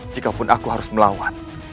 jikapun aku harus melawan